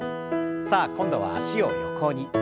さあ今度は脚を横に。